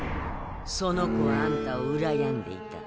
その子はあんたをうらやんでいた。